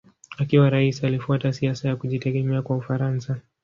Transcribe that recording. Akiwa rais alifuata siasa ya kujitegemea kwa Ufaransa.